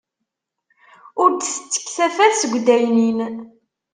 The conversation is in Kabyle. Ur d-tettekk tafat seg uddaynin.